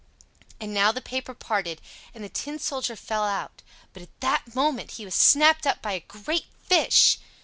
And now the paper parted, and the Tin Soldier fell out; but at that moment he was snapped up by a great fish.